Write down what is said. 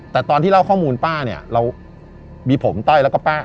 แต่ตอนที่เล่าข้อมูลป้าเนี่ยเรามีผมต้อยแล้วก็ป้า